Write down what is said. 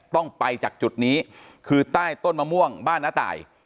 ต้องไปจากจุดนี้คือใต้ต้นมะม่วงบ้านน้าตาย